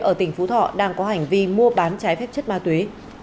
ở tỉnh phú thọ đang có hành vi mua bán trái phép chất ma túy